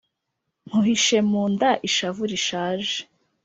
Nk' uhishe mu nda ishavu rishaje